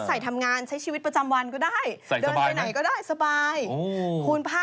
สวยงามมากเลยนะ